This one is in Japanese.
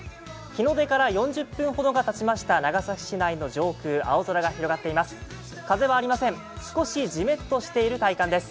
日の出から４０分ほどがたちました長崎市内の上空、青空が広がっています。